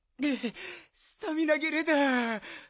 スタミナぎれだん？